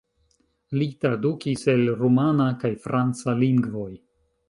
Li tradukis el rumana kaj franca lingvoj.